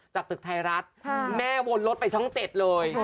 ตึกไทยรัฐแม่วนรถไปช่อง๗เลย